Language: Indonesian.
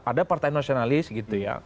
ada partai nasionalis gitu ya